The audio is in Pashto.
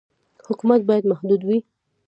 حکومت باید محدود وي.